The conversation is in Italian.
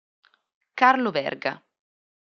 Carlo Verga